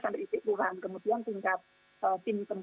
sampai di siste kelurahan kemudian tingkat